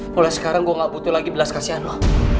mulai sekarang gue gak butuh lagi belas kasihan loh